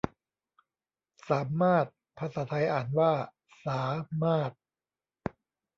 สามารถ ภาษาไทยอ่านว่าสา มาด